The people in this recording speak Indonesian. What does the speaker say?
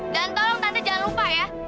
dan tolong tante jangan lupa ya